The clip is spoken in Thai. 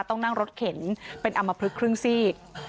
ต้องนั่งรถเข็นเป็นอำมพลึกครึ่งซีก